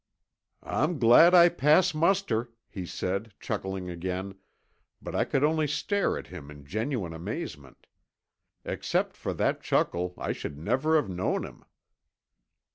"I'm glad I pass muster," he said, chuckling again, but I could only stare at him in genuine amazement. Except for that chuckle I should never have known him!